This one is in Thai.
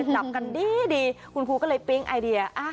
หลับกันดีคุณครูก็เลยปิ๊งไอเดีย